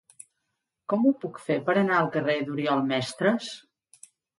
Com ho puc fer per anar al carrer d'Oriol Mestres?